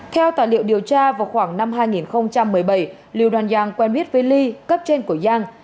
theo tài liệu điều tra vào khoảng năm hai nghìn một mươi bảy liu dan yang quen biết với li cấp trên của yang